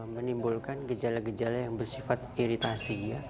menimbulkan gejala gejala yang bersifat iritasi